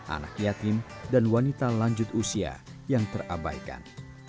anak yatim dan wanita lanjut usia yang terabaikan